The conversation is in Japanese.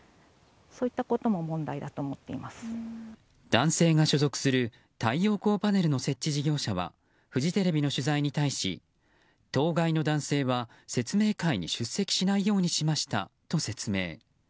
男性が所属する太陽光パネルの設置事業者はフジテレビの取材に対し当該の男性は説明会に出席しないようにしましたと説明。